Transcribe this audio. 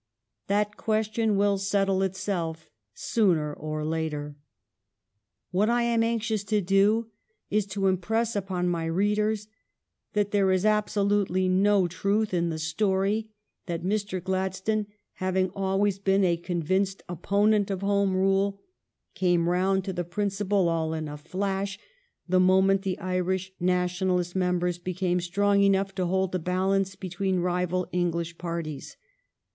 That question will settle itself sooner or later. What I am anxious to do is to impress upon my readers that there is absolutely no truth in the story that Mr. Gladstone, having always been a convinced opponent of Home Rule, came 364 THE STORY OF GLADSTONE'S LIFE round to the principle all in a flash the moment the Irish Nationalist members became strong enough to hold the balance between rival English parties.